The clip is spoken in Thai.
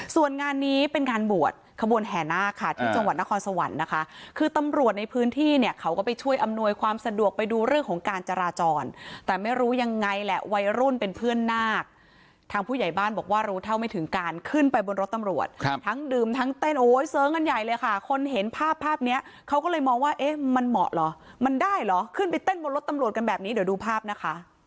ส่วนงานนี้เป็นงานบวชขบวนแห่นาคค่ะที่จังหวัดนครสวรรค์นะคะคือตำรวจในพื้นที่เนี่ยเขาก็ไปช่วยอำนวยความสะดวกไปดูเรื่องของการจราจรแต่ไม่รู้ยังไงแหละวัยรุ่นเป็นเพื่อนนาคทางผู้ใหญ่บ้านบอกว่ารู้เท่าไม่ถึงการขึ้นไปบนรถตำรวจครับทั้งดื่มทั้งเต้นโอ้ยเสื้องันใหญ่เลยค่ะคนเห็นภาพภาพเนี้ยเขาก